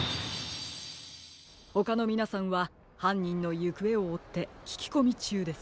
ほかのみなさんははんにんのゆくえをおってききこみちゅうです。